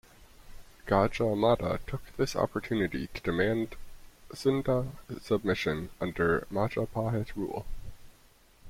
Gajah Mada took this opportunity to demand Sunda submission under Majapahit rule.